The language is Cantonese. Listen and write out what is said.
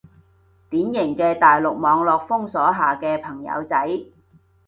典型嘅大陸網絡封鎖下嘅朋友仔